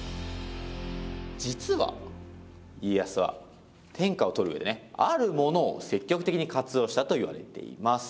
実は家康は天下を取る上でねあるものを積極的に活用したといわれています。